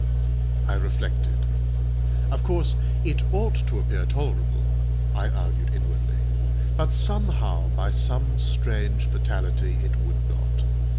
I reflected. Of course it ought to appear tolerable, I argued inwardly; but somehow, by some strange fatality, it would not.